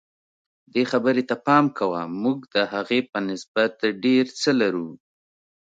دې خبرې ته پام کوه موږ د هغې په نسبت ډېر څه لرو.